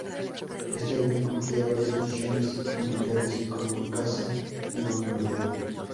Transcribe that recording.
Este avión cumplía varias misiones militares como caza y bombardero.